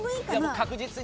確実に。